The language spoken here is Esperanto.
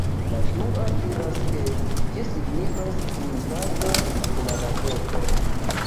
La dua diras ke ĝi signifas "trinkaĵo de lageto".